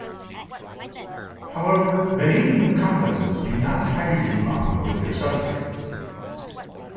However, vanadium complexes do not hydrogen bond with their substrates.